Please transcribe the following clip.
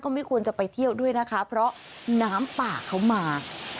ไม่ควรจะไปเที่ยวด้วยนะคะเพราะน้ำป่าเขามา